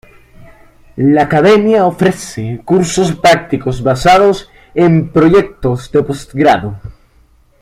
La Academia ofrece, cursos prácticos, basados en proyectos de postgrado.